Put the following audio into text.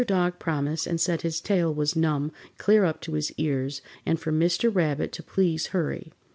Dog promised, and said his tail was numb clear up to his ears, and for Mr. Rabbit to please hurry.